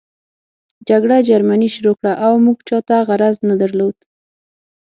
جګړه جرمني شروع کړه او موږ چاته غرض نه درلود